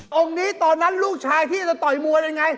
ตรงนี้ตอนนั้นลูกชายที่จะต่อยมวยเป็นอย่างไร